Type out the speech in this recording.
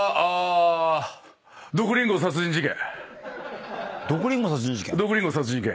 『毒リンゴ殺人事件』？